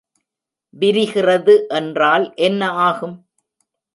விரிகிறது என்றால் என்ன ஆகும்?